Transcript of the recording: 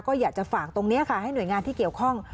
ก็อยากจะฝากตรงนี้ค่ะให้หน่วยงานที่เกี่ยวข้อง